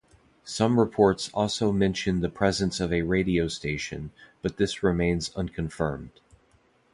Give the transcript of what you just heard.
Some reports also mention the presence of a radio station, but this remains unconfirmed.